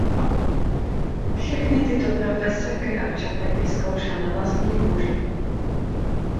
Všechny tyto profese Karel Čapek vyzkoušel na vlastní kůži.